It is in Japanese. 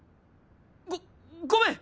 ごごめん！